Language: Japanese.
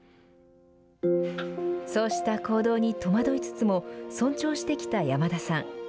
そうした行動に戸惑いつつも尊重してきた山田さん。